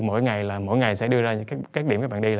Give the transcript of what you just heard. mỗi ngày sẽ đưa ra các điểm các bạn đi